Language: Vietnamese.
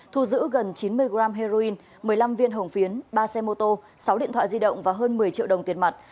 thu giữ gần chín mươi g heroin một mươi năm viên hồng phiến ba xe mô tô sáu điện thoại di động và hơn một mươi triệu đồng tiền mặt